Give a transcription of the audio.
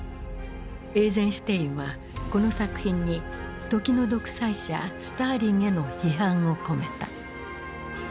エイゼンシュテインはこの作品に時の独裁者スターリンへの批判を込めた。